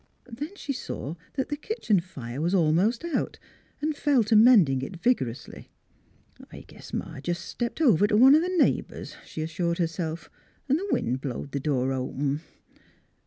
Then she saw that the kitchen fire was almost out and fell to mending it vigorously. " I guess Ma jes' stepped over t' one o' th' neighbors," she assured herself. " An' th' wind blowed th' door open."